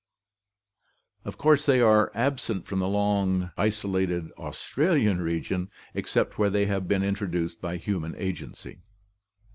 Of course they are absent from the long isolated Australian region except where they have been introduced by human agency.